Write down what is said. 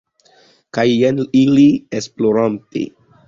Kaj jen ili, esplorante...